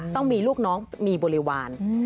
ต้องมีลูกน้องมีบริวาร